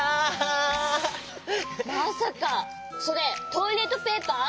まさかそれトイレットペーパー？